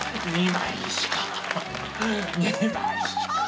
２枚しか。